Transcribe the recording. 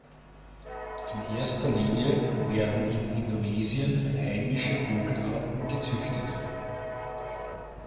In erster Linie werden in Indonesien heimische Vogelarten gezüchtet.